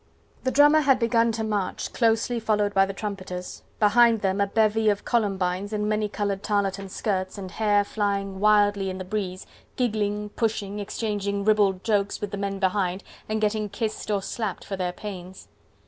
The drummer had begun to march, closely followed by the trumpeters. Behind them a bevy of Columbines in many coloured tarlatan skirts and hair flying wildly in the breeze, giggling, pushing, exchanging ribald jokes with the men behind, and getting kissed or slapped for their pains.